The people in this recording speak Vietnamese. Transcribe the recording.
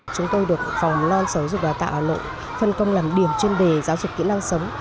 chúng tôi được phòng loan sở dục đà tạo hà nội phân công làm điểm trên đề giáo dục kỹ năng sống